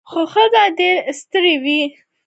خو ښځه ډیره ستړې وه.